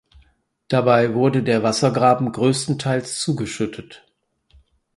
Dabei wurde der Wassergraben größtenteils zugeschüttet.